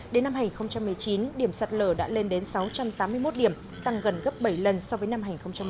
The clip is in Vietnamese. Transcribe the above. đến năm hai nghìn một mươi chín điểm sạt lở đã lên đến sáu trăm tám mươi một điểm tăng gần gấp bảy lần so với năm hai nghìn một mươi bảy